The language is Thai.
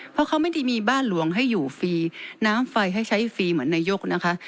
เพราะเขาไม่ได้มีบ้านหลวงให้อยู่ฟรีน้ำไฟให้ใช้ฟรีเหมือนนายกนะคะ